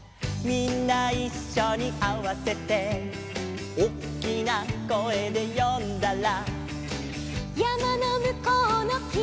「みんないっしょにあわせて」「おっきな声で呼んだら」